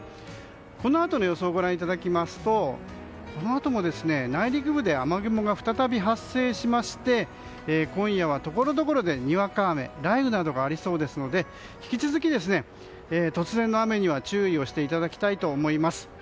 このあとの予想をご覧いただきますとこのあとも内陸部で雨雲が再び発生しまして今夜はところどころでにわか雨雷雨などがありそうですので引き続き突然の雨には注意していただきたいと思います。